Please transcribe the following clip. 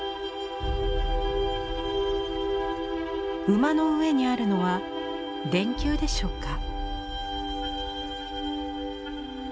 馬の上にあるのは電球でしょうか？